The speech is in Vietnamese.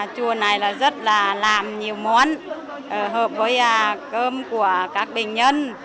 chùa này rất là làm nhiều món hợp với cơm của các bệnh nhân